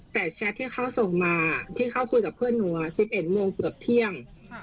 แต่แชทที่เขาส่งมาที่เขาคุยกับเพื่อนหนู๑๑โมงเกือบเที่ยง